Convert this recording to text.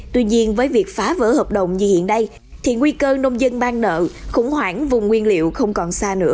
tuy nhiên với việc phá vỡ hợp đồng như hiện nay thì nguy cơ nông dân ban nợ khủng hoảng vùng nguyên liệu không còn xa nữa